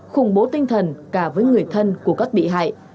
khủng bố tinh thần cả với người thân của các bị hại